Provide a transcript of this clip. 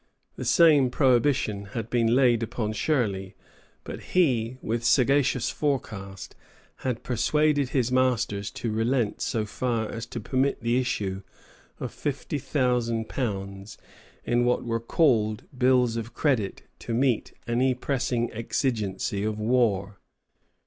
The same prohibition had been laid upon Shirley; but he, with sagacious forecast, had persuaded his masters to relent so far as to permit the issue of £50,000 in what were called bills of credit to meet any pressing exigency of war.